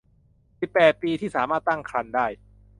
สิบแปด ปีที่สามารถตั้งครรภ์ได้